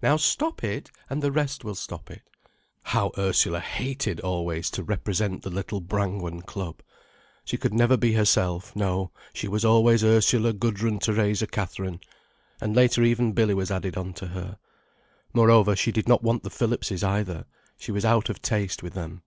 Now stop it, and the rest will stop it." How Ursula hated always to represent the little Brangwen club. She could never be herself, no, she was always Ursula Gudrun Theresa Catherine—and later even Billy was added on to her. Moreover, she did not want the Phillipses either. She was out of taste with them.